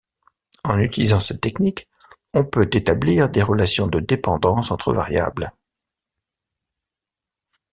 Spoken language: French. En utilisant cette technique on peut établir des relations de dépendance entre variables.